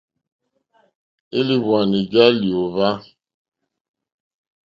Élìhwwànì já lyǒhwá.